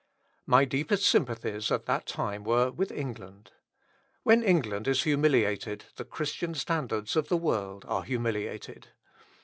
My deepest sympathies at that time were with England. When England is humiliated the Christian standards of the world are humiliated.